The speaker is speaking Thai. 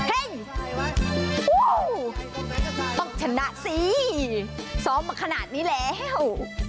ต้องชนะสิซ้อมมาขนาดนี้แล้ว